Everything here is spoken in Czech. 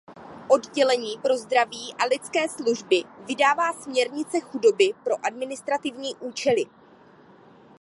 Oddělení pro zdraví a lidské služby vydává směrnice chudoby pro administrativní účely.